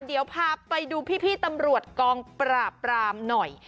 เดี๋ยวพาไปดูพี่ตำรวจกองปราบปรามหน่อย